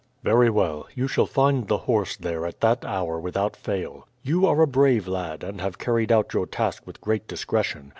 "Very well; you shall find the horse there at that hour without fail. You are a brave lad, and have carried out your task with great discretion.